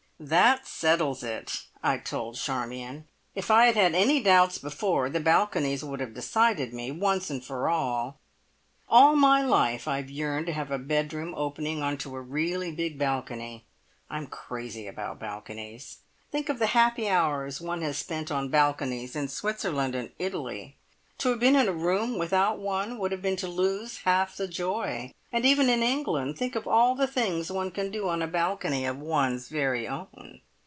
"That settles it!" I told Charmion. "If I had had any doubts before, the balconies would have decided me, once for all. All my life I have yearned to have a bedroom opening on to a really big balcony. I'm crazy about balconies! Think of the happy hours one has spent on balconies in Switzerland and Italy! To have been in a room without one would have been to lose half the joy. And even in England think of all the things one can do on a balcony of one's very own.